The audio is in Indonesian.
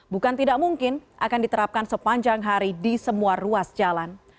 bukan tidak mungkin akan diterapkan sepanjang hari di semua ruas jalan